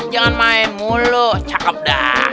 jangan main mulu cakep dah